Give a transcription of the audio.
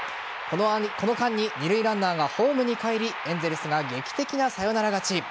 この間に二塁ランナーがホームにかえりエンゼルスが劇的なサヨナラ勝ち。